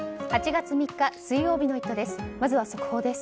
８月３日、水曜日の「イット！」です。